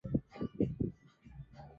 o faida kubwa tunayoipata karibu na maji haya